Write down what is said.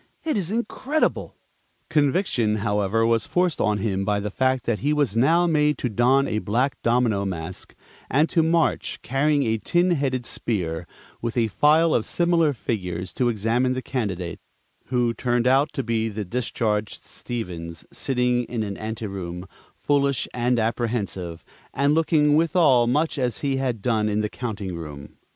"It is incredible!" Conviction, however, was forced on him by the fact that he was now made to don a black domino and mask, and to march, carrying a tin headed spear, with a file of similar figures to examine the candidate, who turned out to be the discharged Stevens, sitting in an anteroom, foolish and apprehensive, and looking withal much as he had done in the counting room.